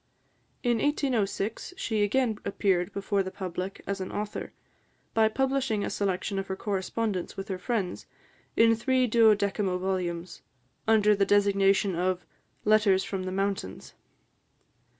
In 1806, she again appeared before the public as an author, by publishing a selection of her correspondence with her friends, in three duodecimo volumes, under the designation of "Letters from the Mountains."